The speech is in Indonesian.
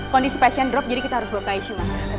kondisi pasien drop jadi kita harus bawa ke icu